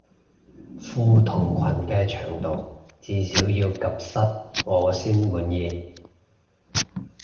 褲同裙嘅長度至少要及膝我先滿意